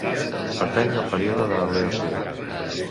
Pertany al període de l'Eocè.